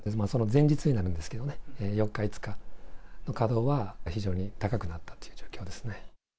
前日になるんですけどね、４日、５日の稼働は非常に高くなったという状況ですね。